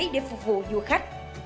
để phục vụ du khách